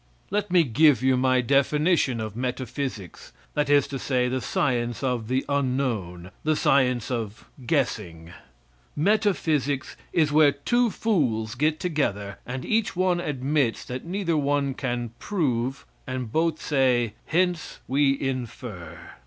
Let me give you my definition of metaphysics, that is to say, the science of the unknown, the science of guessing. Metaphysics is where two fools get together, and each one admits that neither can prove, and both say, "Hence we infer."